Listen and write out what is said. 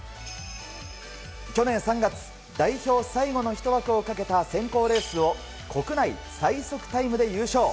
去年３月、代表最後のひと枠を懸けた選考レースを国内最速タイムで優勝。